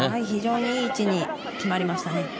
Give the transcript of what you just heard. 非常に良い位置に決まりましたね。